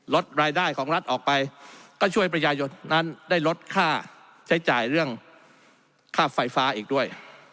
ลดรายได้ของรัฐออกไปก็ช่วยประชาชนนั้นได้ลดค่าใช้จ่ายเรื่องค่าไฟฟ้าอีกด้วย